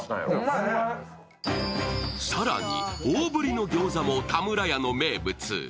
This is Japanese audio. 更に大ぶりのギョーザも田村屋の名物。